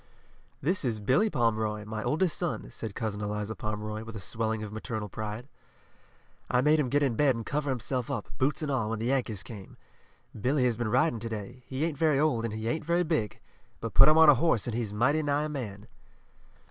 "This is Billy Pomeroy, my oldest son," said Cousin Eliza Pomeroy, with a swelling of maternal pride. "I made him get in bed and cover himself up, boots and all, when the Yankees came. Billy has been riding to day. He ain't very old, and he ain't very big, but put him on a horse and he's mighty nigh a man."